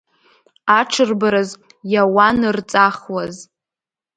Аҽырбараз иауанырҵахуаз.